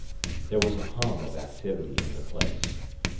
There was a hum of activity in the place.